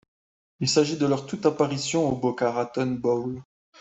Il s'agit de leur toute apparition au Boca Raton Bowl.